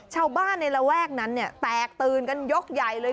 ชาวบ้านในระแวกนั้นเนี่ยแตกตื่นกันยกใหญ่เลย